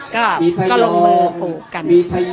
ก็ก็ลงมาปลูกกัน